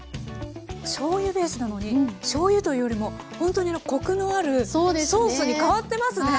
しょうゆベースなのにしょうゆというよりもほんとにコクのあるソースに変わってますね。